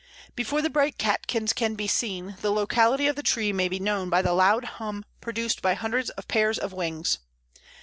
Before the bright catkins can be seen the locality of the tree may be known by the loud hum produced by hundreds of pairs of wings.